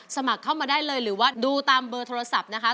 สมัครเข้ามาได้เลยหรือว่าดูตามเบอร์โทรศัพท์นะคะ